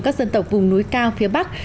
các dân tộc vùng núi cao phía bắc